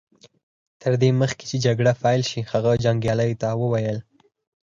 تر دې مخکې چې جګړه پيل شي هغه جنګياليو ته وويل.